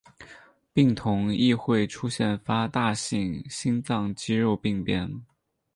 病童亦会出现发大性心脏肌肉病变。